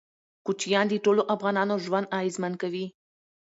کوچیان د ټولو افغانانو ژوند اغېزمن کوي.